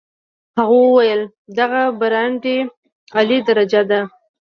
هغه وویل دغه برانډې اعلی درجه ده.